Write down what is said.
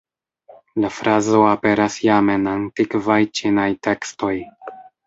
La frazo aperas jam en antikvaj ĉinaj tekstoj.